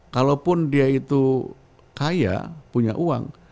kalaupun dia itu kaya punya uang